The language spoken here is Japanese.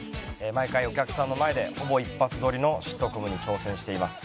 毎回お客さんの前でほぼ一発撮りのシットコムに挑戦しています。